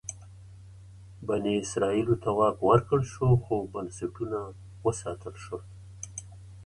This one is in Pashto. بني اسرائیلو ته واک ورکړل شو خو بنسټونه وساتل شول.